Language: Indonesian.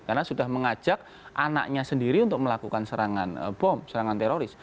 karena sudah mengajak anaknya sendiri untuk melakukan serangan bom serangan teroris